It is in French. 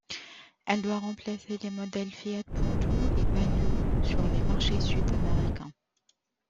Elle doit remplacer les modèles Fiat Punto et Palio sur les marchés Sud-Américains.